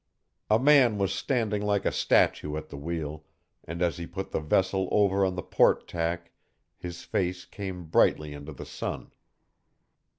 A man was standing like a statue at the wheel, and, as he put the vessel over on the port tack, his face came brightly into the sun.